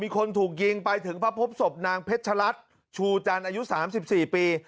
คนถูกยิงไปถึงพระพบศพนางเพชรัตน์ชูจันทร์อายุ๓๔ปี